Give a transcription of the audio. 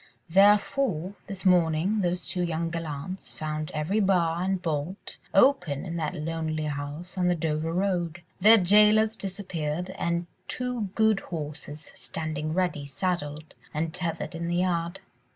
Therefore, this morning, those two young gallants found every bar and bolt open in that lonely house on the Dover Road, their jailers disappeared, and two good horses standing ready saddled and tethered in the yard.